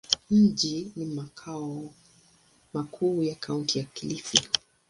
Mji ni makao makuu ya Kaunti ya Kilifi.